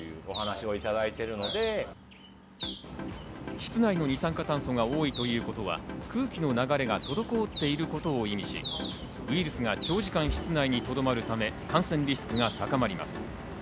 室内の二酸化炭素が多いということは、空気の流れが滞っていることを意味し、ウイルスが長時間、室内にとどまるため感染リスクが高まります。